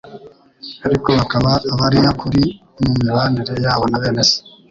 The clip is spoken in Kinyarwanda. ariko bakaba abariyakuri mu mibanire yabo na bene se.